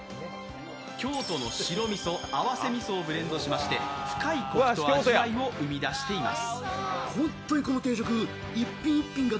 京都の白みそ、合わせみそをブレンドしまして深いコクと味わいを生み出しています。